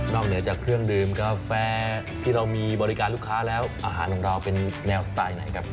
เหนือจากเครื่องดื่มกาแฟที่เรามีบริการลูกค้าแล้วอาหารของเราเป็นแนวสไตล์ไหนครับ